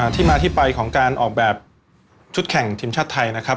ที่มาที่ไปของการออกแบบชุดแข่งทีมชาติไทยนะครับ